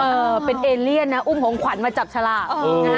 เออเป็นเอเลียนนะอุ้มของขวัญมาจับฉลาก